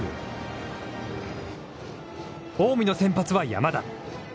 近江の先発は山田。